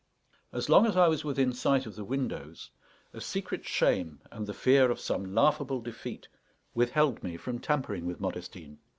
As long as I was within sight of the windows, a secret shame and the fear of some laughable defeat withheld me from tampering with Modestine.